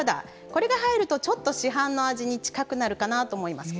これが入るとちょっと市販の味に近くなるかなと思います。